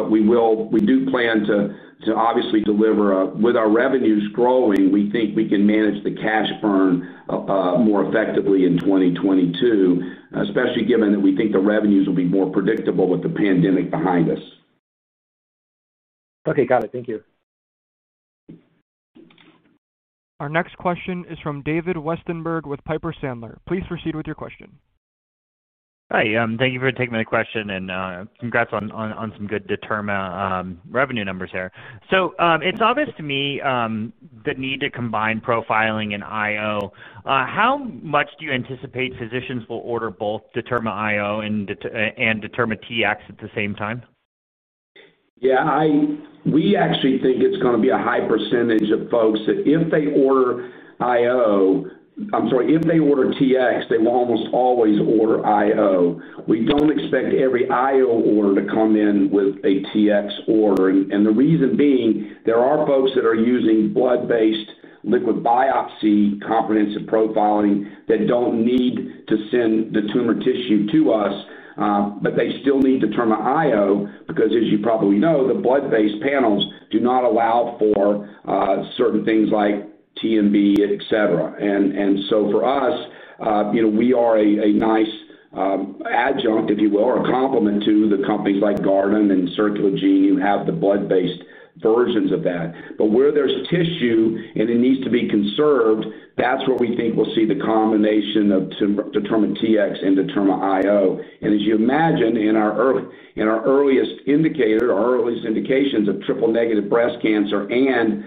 We will. We do plan to obviously deliver, with our revenues growing, we think we can manage the cash burn more effectively in 2022, especially given that we think the revenues will be more predictable with the pandemic behind us. Okay. Got it. Thank you. Our next question is from David Westenberg with Piper Sandler. Please proceed with your question. Hi. Thank you for taking my question and, congrats on some good Determa revenue numbers here. It's obvious to me the need to combine profiling and IO. How much do you anticipate physicians will order both DetermaIO and DetermaTx at the same time? We actually think it's gonna be a high percentage of folks that if they order TX, they will almost always order IO. We don't expect every IO order to come in with a TX order. The reason being, there are folks that are using blood-based liquid biopsy comprehensive profiling that don't need to send the tumor tissue to us, but they still need DetermaIO because as you probably know, the blood-based panels do not allow for certain things like TMB, et cetera. So for us, you know, we are a nice adjunct, if you will, or a complement to the companies like Guardant and Circulogene who have the blood-based versions of that. Where there's tissue and it needs to be conserved, that's where we think we'll see the combination of tumor DetermaTx and DetermaIO. As you imagine in our earliest indicator or earliest indications of triple negative breast cancer and,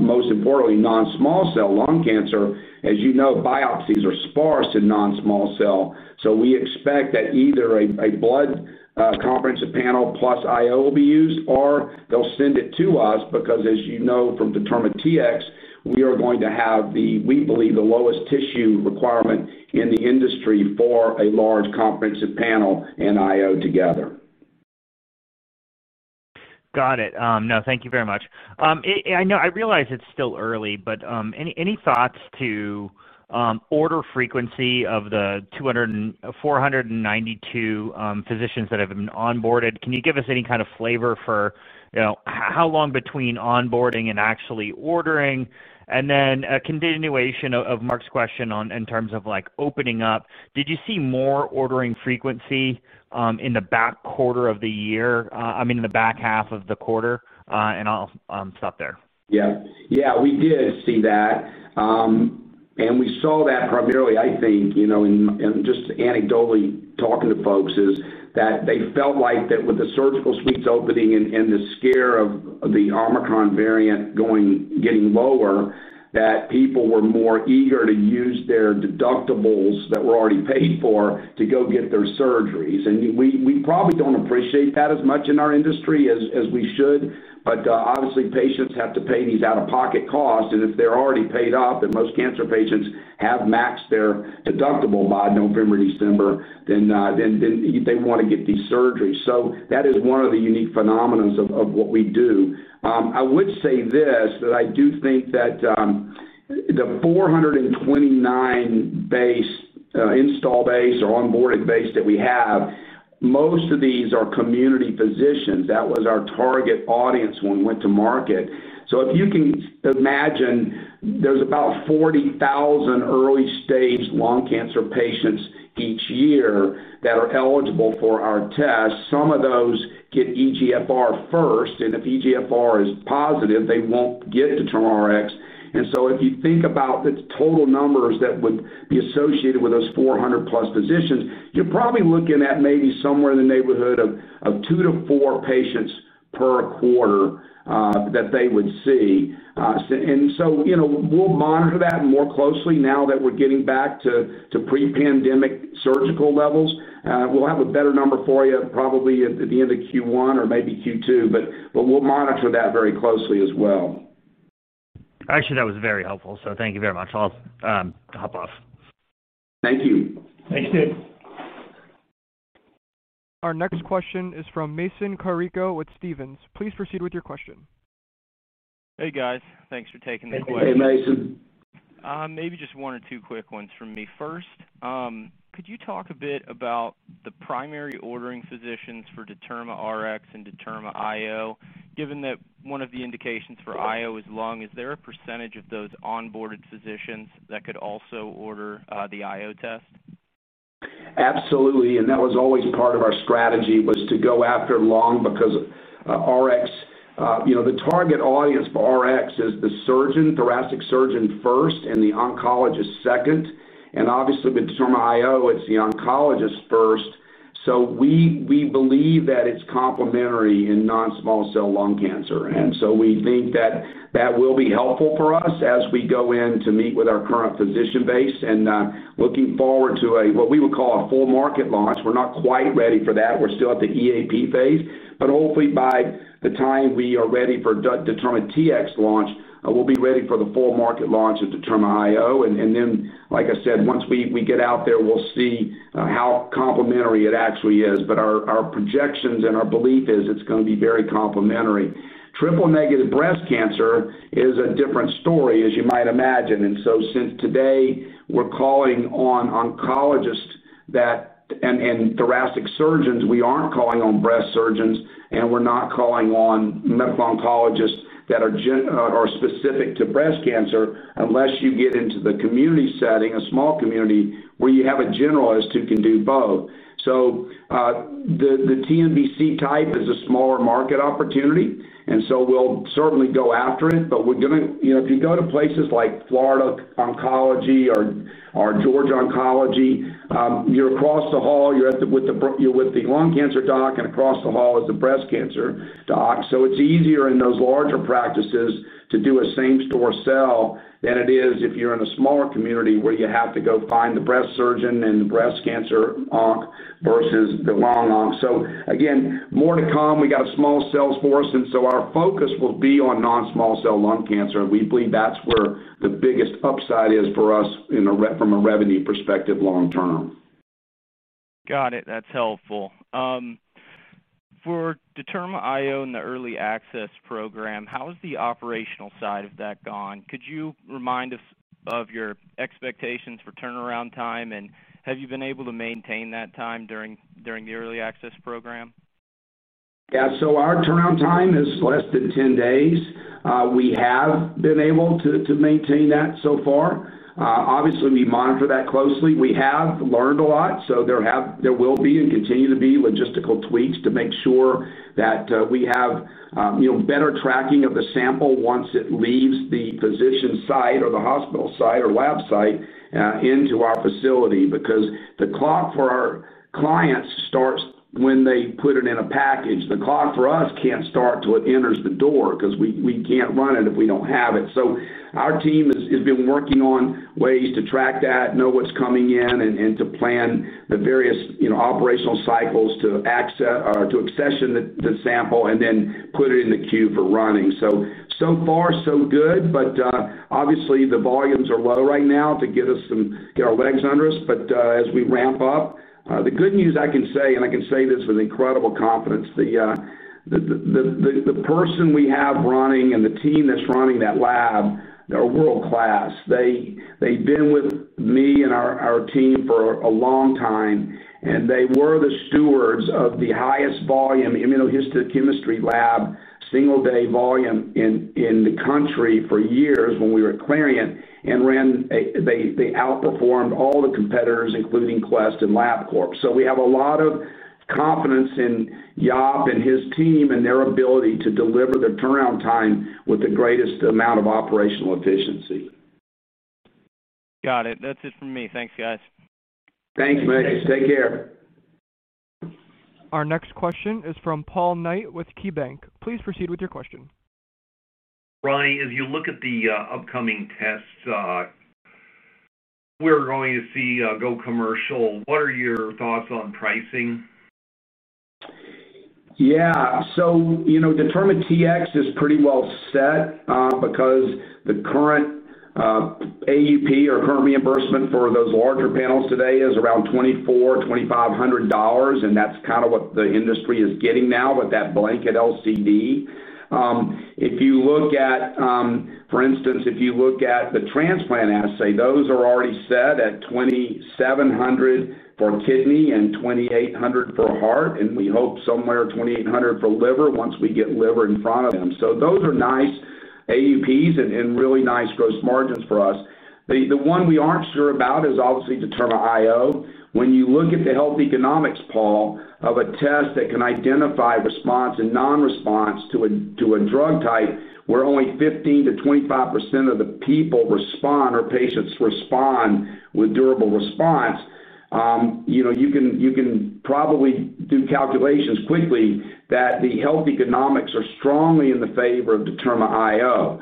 most importantly, non-small cell lung cancer, as you know, biopsies are sparse in non-small cell. We expect that either a blood comprehensive panel plus IO will be used or they'll send it to us because as you know, from DetermaTx, we believe the lowest tissue requirement in the industry for a large comprehensive panel and IO together. Got it. No, thank you very much. And I know I realize it's still early, but any thoughts to order frequency of the 204 and 492 physicians that have been onboarded? Can you give us any kind of flavor for, you know, how long between onboarding and actually ordering? Then a continuation of Mark's question on, in terms of like opening up, did you see more ordering frequency in the back quarter of the year, I mean, in the back half of the quarter? And I'll stop there. Yeah. Yeah, we did see that. We saw that primarily I think, you know, in just anecdotally talking to folks is that they felt like that with the surgical suites opening and the scare of the Omicron variant getting lower, that people were more eager to use their deductibles that were already paid for to go get their surgeries. We probably don't appreciate that as much in our industry as we should, but obviously patients have to pay these out-of-pocket costs. If they're already paid up, and most cancer patients have maxed their deductible by November, December, then they wanna get these surgeries. That is one of the unique phenomena of what we do. I would say this, that I do think that the 429 installed base or onboarded base that we have, most of these are community physicians. That was our target audience when we went to market. If you can imagine, there's about 40,000 early stage lung cancer patients each year that are eligible for our tests. Some of those get EGFR first, and if EGFR is positive, they won't get DetermaRx. And so if you think about the total numbers that would be associated with those 400+ physicians, you're probably looking at maybe somewhere in the neighborhood of two to four patients per quarter that they would see. You know, we'll monitor that more closely now that we're getting back to pre-pandemic surgical levels. We'll have a better number for you probably at the end of Q1 or maybe Q2, but we'll monitor that very closely as well. Actually, that was very helpful, so thank you very much. I'll hop off. Thank you. Thanks, Dave. Our next question is from Mason Carrico with Stephens. Please proceed with your question. Hey, guys. Thanks for taking the question. [CROSSTALK] Hey, Mason. Maybe just one or two quick ones from me. First, could you talk a bit about the primary ordering physicians for DetermaRx and DetermaIO, given that one of the indications for IO is lung. Is there a percentage of those onboarded physicians that could also order the IO test? Absolutely. That was always part of our strategy, was to go after lung because DetermaRx. You know, the target audience for DetermaRx is the surgeon, thoracic surgeon first and the oncologist second. Obviously with DetermaIO, it's the oncologist first. We believe that it's complementary in non-small cell lung cancer. We think that will be helpful for us as we go in to meet with our current physician base and looking forward to what we would call a full market launch. We're not quite ready for that. We're still at the EAP phase, but hopefully by the time we are ready for DetermaTx launch, we'll be ready for the full market launch of DetermaIO. Then, like I said, once we get out there, we'll see how complementary it actually is. Our projections and our belief is it's gonna be very complementary. Triple negative breast cancer is a different story, as you might imagine. Since today, we're calling on oncologists and thoracic surgeons, we aren't calling on breast surgeons, and we're not calling on medical oncologists that are specific to breast cancer unless you get into the community setting, a small community where you have a generalist who can do both. The TNBC type is a smaller market opportunity, and so we'll certainly go after it. We're gonna you know, if you go to places like Florida Oncology or Georgia Oncology, you're across the hall, you're with the lung cancer doc, and across the hall is the breast cancer doc. It's easier in those larger practices to do a same-store sell than it is if you're in a smaller community where you have to go find the breast surgeon and the breast cancer onc versus the lung onc. Again, more to come. We got a small sales force, and so our focus will be on non-small cell lung cancer. We believe that's where the biggest upside is for us from a revenue perspective long term. Got it. That's helpful. For DetermaIO in the Early Access Program, how has the operational side of that gone? Could you remind us of your expectations for turnaround time, and have you been able to maintain that time during the Early Access Program? Yeah. Our turnaround time is less than 10 days. We have been able to maintain that so far. Obviously we monitor that closely. We have learned a lot, there will be and continue to be logistical tweaks to make sure that we have better tracking of the sample once it leaves the physician site or the hospital site or lab site into our facility. Because the clock for our clients starts when they put it in a package. The clock for us can't start till it enters the door 'cause we can't run it if we don't have it. Our team has been working on ways to track that, know what's coming in and to plan the various, you know, operational cycles to access or to accession the sample and then put it in the queue for running. So far so good, but obviously the volumes are low right now to give us some get our legs under us. As we ramp up, the good news I can say, and I can say this with incredible confidence, the person we have running and the team that's running that lab are world-class. They've been with me and our team for a long time, and they were the stewards of the highest volume immunohistochemistry lab, single day volume in the country for years when we were at Clarient. They outperformed all the competitors, including Quest and Labcorp. We have a lot of confidence in Yap and his team and their ability to deliver the turnaround time with the greatest amount of operational efficiency. Got it. That's it from me. Thanks, guys. Thanks, Mitch. Take care. Our next question is from Paul Knight with KeyBanc. Please proceed with your question. Ronnie, as you look at the upcoming tests, we're going to see go commercial, what are your thoughts on pricing? You know, DetermaTx is pretty well set because the current AUP or current reimbursement for those larger panels today is around $2,400, $2,500, and that's kinda what the industry is getting now with that blanket LCD. If you look at, for instance, the transplant assay, those are already set at $2,700 for kidney and $2,800 for heart, and we hope somewhere $2,800 for liver once we get liver in front of them. Those are nice AUPs and really nice gross margins for us. The one we aren't sure about is obviously DetermaIO. When you look at the health economics, Paul, of a test that can identify response and non-response to a drug type, where only 15%-25% of the patients respond with durable response, you know, you can probably do calculations quickly that the health economics are strongly in the favor of DetermaIO.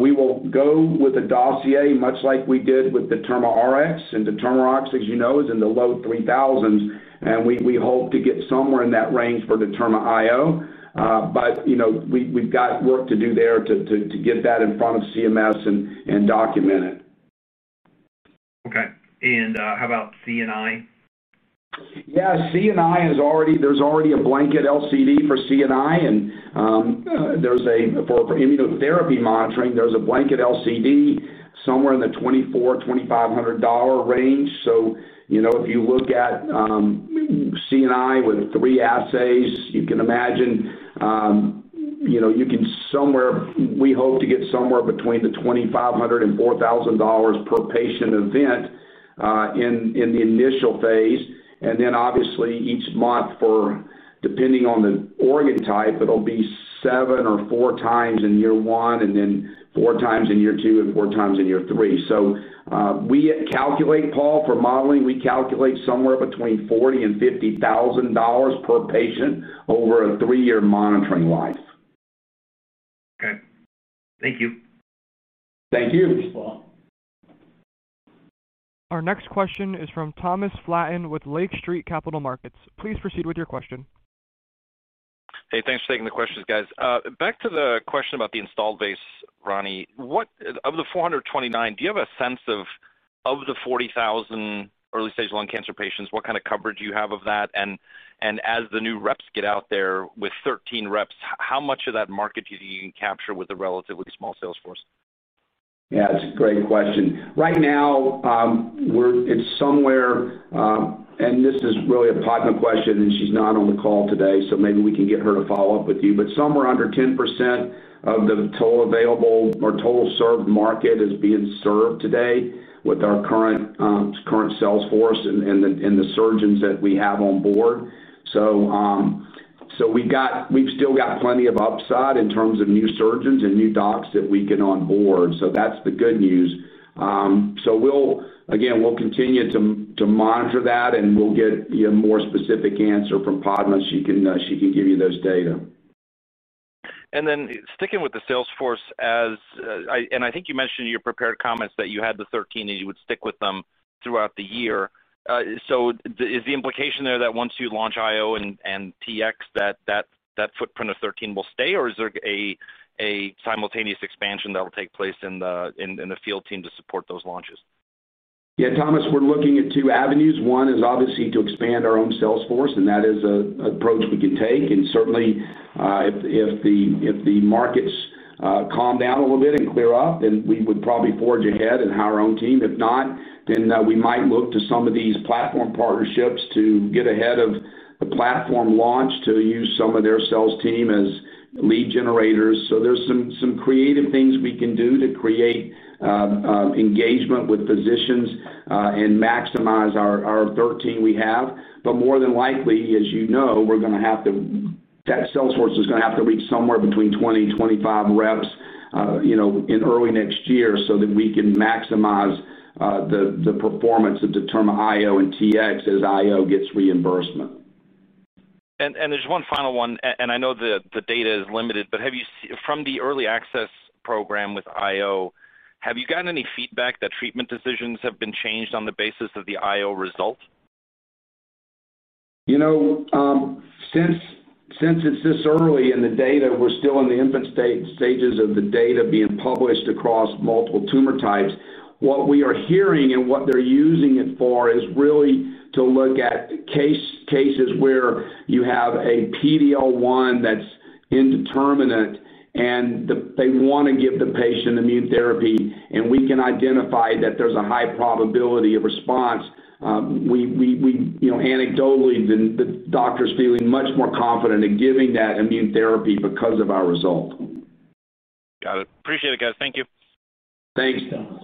We will go with a dossier, much like we did with DetermaRx, and DetermaRx, as you know, is in the low $3,000s, and we hope to get somewhere in that range for DetermaIO. You know, we've got work to do there to get that in front of CMS and document it. Okay. How about CNI? Yeah, CNI is already. There's already a blanket LCD for CNI and there's a for immunotherapy monitoring, there's a blanket LCD somewhere in the $2,400, $2,500 range. You know, if you look at CNI with three assays, you can imagine, you know, we hope to get somewhere between $2,500 and $4,000 per patient event, in the initial phase, and then obviously each month for depending on the organ type, it'll be seven or four times in year one and then four times in year two and four times in year three. We calculate, Paul, for modeling, somewhere between $40,000-$50,000 per patient over a three-year monitoring life. Okay. Thank you. Thank you, Paul. Our next question is from Thomas Flaten with Lake Street Capital Markets. Please proceed with your question. Hey, thanks for taking the questions, guys. Back to the question about the installed base, Ronnie. Of the 429, do you have a sense of the 40,000 early-stage lung cancer patients, what kind of coverage you have of that? As the new reps get out there with 13 reps, how much of that market do you think you can capture with a relatively small sales force? Yeah, it's a great question. Right now, it's somewhere, and this is really a Padma question, and she's not on the call today, so maybe we can get her to follow up with you. Somewhere under 10% of the total available or total served market is being served today with our current sales force and the surgeons that we have on board. We've still got plenty of upside in terms of new surgeons and new docs that we get on board. That's the good news. Again, we'll continue to monitor that, and we'll get you a more specific answer from Padma. She can give you those data. Sticking with the sales force, I think you mentioned in your prepared comments that you had the 13 and you would stick with them throughout the year. Is the implication there that once you launch IO and TX, that footprint of 13 will stay? Or is there a simultaneous expansion that will take place in the field team to support those launches? Yeah, Thomas, we're looking at two avenues. One is obviously to expand our own sales force, and that is a approach we can take. Certainly, if the markets calm down a little bit and clear up, then we would probably forge ahead and hire our own team. If not, we might look to some of these platform partnerships to get ahead of the platform launch to use some of their sales team as lead generators. There's some creative things we can do to create engagement with physicians and maximize our 13 we have. More than likely, as you know, we're gonna have to that sales force is gonna have to reach somewhere between 20-25 reps, you know, in early next year so that we can maximize the performance of the DetermaIO and DetermaTx as DetermaIO gets reimbursement. There's one final one, and I know the data is limited, but from the early access program with IO, have you gotten any feedback that treatment decisions have been changed on the basis of the IO result? You know, since it's this early in the data, we're still in the infant stages of the data being published across multiple tumor types. What we are hearing and what they're using it for is really to look at cases where you have a PD-L1 that's indeterminate, and they wanna give the patient immune therapy, and we can identify that there's a high probability of response. You know, anecdotally, the doctor's feeling much more confident in giving that immune therapy because of our result. Got it. Appreciate it, guys. Thank you. Thanks, Thomas.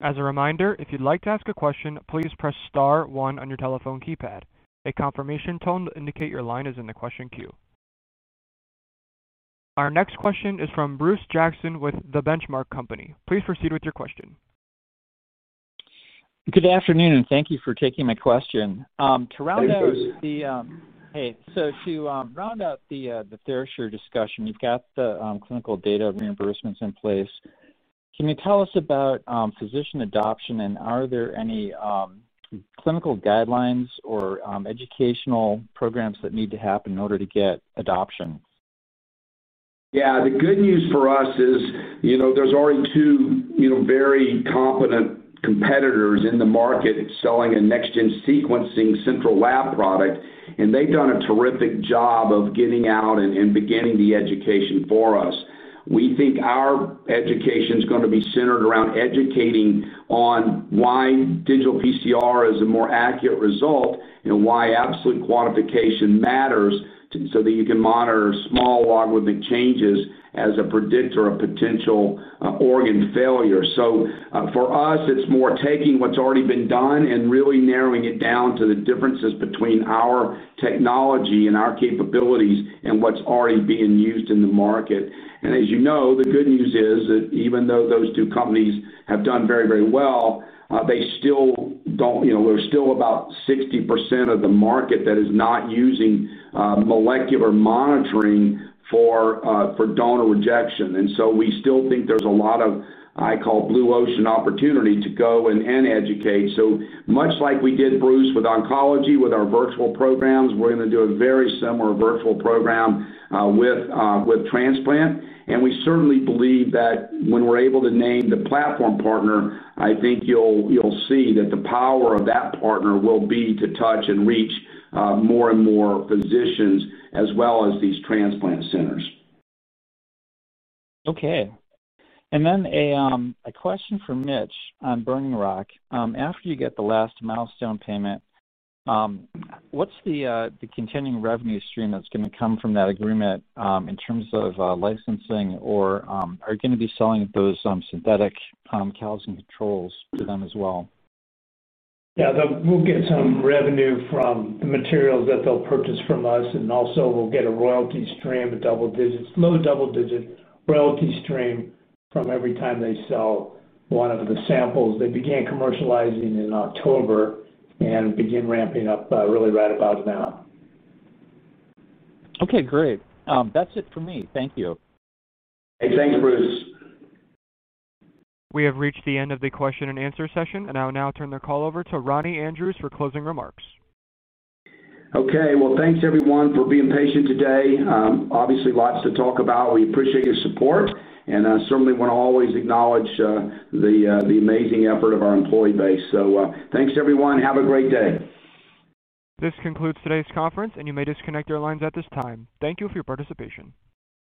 As a reminder, if you'd like to ask a question, please press star one on your telephone keypad. A confirmation tone will indicate your line is in the question queue. Our next question is from Bruce Jackson with The Benchmark Company. Please proceed with your question. Good afternoon, and thank you for taking my question. To round out the [CROSSTALK] Hey. To round out the TheraSure discussion, you've got the clinical data reimbursements in place. Can you tell us about physician adoption, and are there any clinical guidelines or educational programs that need to happen in order to get adoption? Yeah. The good news for us is, you know, there's already two, you know, very competent competitors in the market selling a next-generation sequencing central lab product, and they've done a terrific job of getting out and beginning the education for us. We think our education's gonna be centered around educating on why digital PCR is a more accurate result and why absolute quantification matters so that you can monitor small logarithmic changes as a predictor of potential organ failure. For us, it's more taking what's already been done and really narrowing it down to the differences between our technology and our capabilities and what's already being used in the market. As you know, the good news is that even though those two companies have done very, very well, they still don't. You know, there's still about 60% of the market that is not using molecular monitoring for donor rejection. We still think there's a lot of, I call blue ocean opportunity to go and educate. Much like we did, Bruce, with oncology, with our virtual programs, we're gonna do a very similar virtual program with transplant. We certainly believe that when we're able to name the platform partner, I think you'll see that the power of that partner will be to touch and reach more and more physicians as well as these transplant centers. Okay. A question for Mitch on Burning Rock. After you get the last milestone payment, what's the continuing revenue stream that's gonna come from that agreement, in terms of licensing or, are you gonna be selling those synthetic calcium controls to them as well? Yeah. We'll get some revenue from the materials that they'll purchase from us, and also we'll get a royalty stream, a double-digit, low double-digit royalty stream from every time they sell one of the samples. They began commercializing in October and begin ramping up, really right about now. Okay, great. That's it for me. Thank you. Hey, thanks, Bruce. We have reached the end of the question-and answer-session, and I'll now turn the call over to Ronnie Andrews for closing remarks. Okay. Well, thanks everyone for being patient today. Obviously lots to talk about. We appreciate your support and certainly wanna always acknowledge the amazing effort of our employee base. Thanks everyone. Have a great day. This concludes today's conference, and you may disconnect your lines at this time. Thank you for your participation.